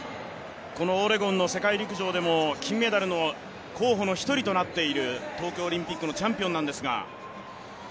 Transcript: このオレゴンの世界陸上でも金メダルの候補の一人となっている東京オリンピックのチャンピオンなんですが。